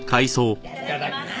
いただきます。